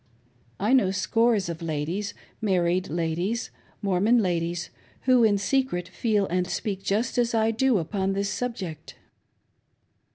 I know scores of ladies — married ladies— Mormon ladies; who in secret feel and speak just as I do upon this subject.